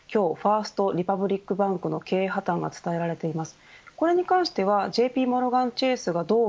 今日、ファースト・リパブリック・バンクの経営破綻が伝えられています。